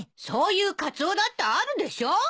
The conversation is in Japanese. そういうカツオだってあるでしょ？